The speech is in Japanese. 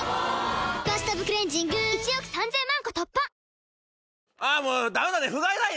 「バスタブクレンジング」１億３０００万個突破！